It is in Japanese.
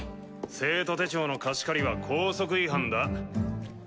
生徒手帳の貸し借りは校則違反だ。